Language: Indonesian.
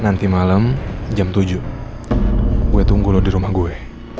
nanti malam jam tujuh gue tunggu di rumah gue